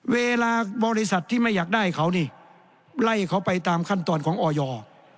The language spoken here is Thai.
เวลาบริษัทที่ไม่อยากได้เขานี่ไล่เขาไปตามขั้นตอนของออย